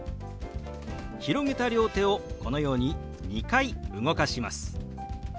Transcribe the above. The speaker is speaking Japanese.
広げた両手をこのように２回動かします。